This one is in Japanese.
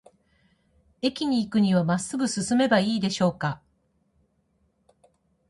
駅に行くには、まっすぐ進めばいいでしょうか。